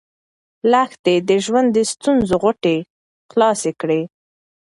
لښتې د ژوند د ستونزو غوټې خلاصې کړې.